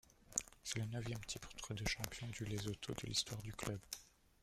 C'est le neuvième titre de champion du Lesotho de l'histoire du club.